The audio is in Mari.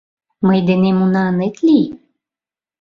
— Мый денем уна ынет лий?